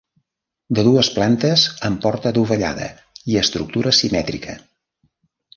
De dues plantes amb porta adovellada i estructura simètrica.